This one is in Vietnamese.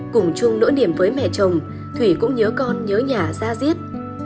cùng chung nỗi niềm với mẹ chồng thủy cũng nhớ con nhớ nhà ra diết